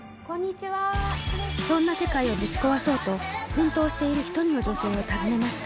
そんな世界をぶち壊そうと、奮闘している１人の女性を訪ねました。